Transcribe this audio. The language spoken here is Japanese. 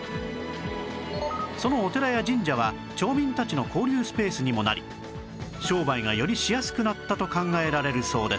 そのお寺や神社は町民たちの交流スペースにもなり商売がよりしやすくなったと考えられるそうです